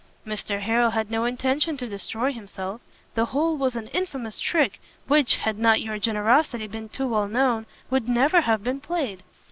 Mr Harrel had no intention to destroy himself; the whole was an infamous trick, which, had not your generosity been too well known, would never have been played."